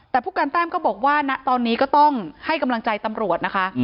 แต่ผู้การแต้มก็บอกว่าณตอนนี้ก็ต้องให้กำลังใจตำรวจนะคะ